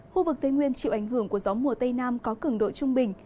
khu vực tây nguyên chịu ảnh hưởng của gió mùa tây nam có cứng độ trung bình